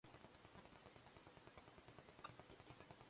La simpla konstruaĵo situas en korto.